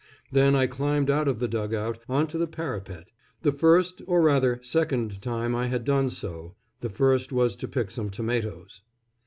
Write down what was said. Then I climbed out of the dug out, on to the parapet! The first, or rather second time I had done so (the first was to pick some tomatoes).